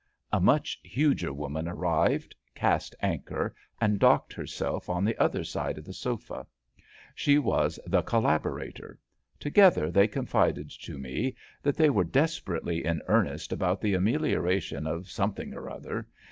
'' A much huger woman arrived, cast anchor, and docked herself on the other side of the sofa. She was the collaborator. Together they confided to me that they were desperately in earnest about the amelioration of something or other.